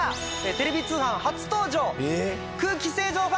テレビ通販初登場。